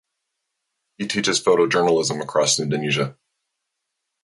He teaches photojournalism across Indonesia.